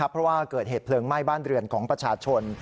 เพราะว่าเกิดเหตุเพลิงไหม้บ้านเรือนของประชาชน